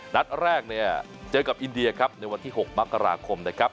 นัดแรกเนี่ยเจอกับอินเดียครับในวันที่๖มกราคมนะครับ